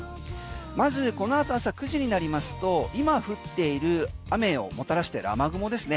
まずこのあと朝９時になりますと今、降っている雨をもたらしている雨雲ですね